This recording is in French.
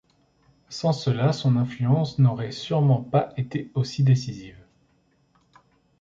Sans cela son influence n'aurait sûrement pas été aussi décisive.